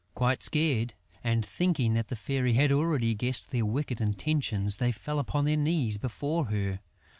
Quite scared and thinking that the Fairy had already guessed their wicked intentions, they fell upon their knees before her.